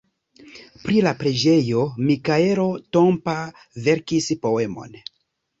Pri la preĝejo Mikaelo Tompa verkis poemon.